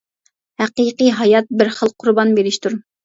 ھەقىقىي ھايات بىر خىل قۇربان بېرىشتۇر.